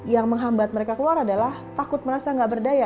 yang menghambat mereka keluar adalah takut merasa nggak berdaya